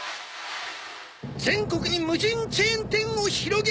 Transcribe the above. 全国に無人チェーン店を広げるつもりだ！